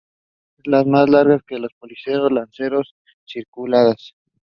Brácteas más largas que los pedicelos, lanceoladas, ciliadas.